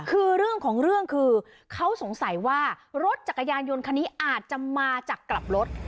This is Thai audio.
คือเรื่องของเรื่องคือเขาสงสัยว่ารถจักรยานยนต์คันนี้อาจจะมาจากกลับรถ